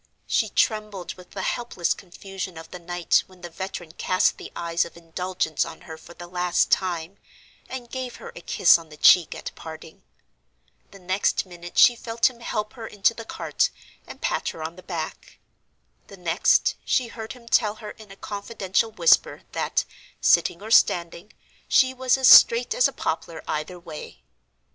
She trembled with the helpless confusion of the night when the veteran cast the eyes of indulgence on her for the last time, and gave her a kiss on the cheek at parting. The next minute she felt him help her into the cart, and pat her on the back. The next, she heard him tell her in a confidential whisper that, sitting or standing, she was as straight as a poplar either way.